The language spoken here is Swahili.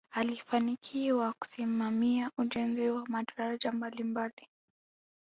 alifanikiwa kusimamia ujenzi wa madaraja mbalimbali